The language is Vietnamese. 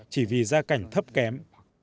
chỉ vì gia cảnh thấp kém